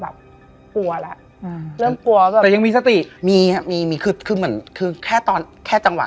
แบบกลัวแล้วเริ่มกลัว